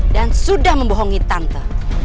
dan sudah membohongi tante